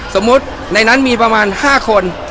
สมมุติในนั้นมีประมาณ๕คน